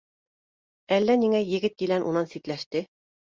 Әллә ниңә егет-елән унан ситләште